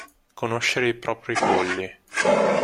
Conoscere i propri polli.